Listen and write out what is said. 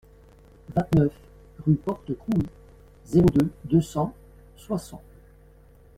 vingt-neuf rue Porte Crouy, zéro deux, deux cents Soissons